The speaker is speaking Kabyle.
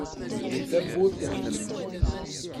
Mdel tawwurt-nnem.